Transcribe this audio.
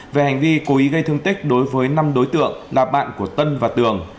về hành vi cố ý gây thương tích đối với năm đối tượng là bạn của tân và tường